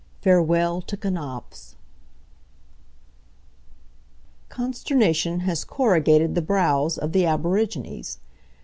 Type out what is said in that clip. FAREWELL TO KNAPFS Consternation has corrugated the brows of the aborigines.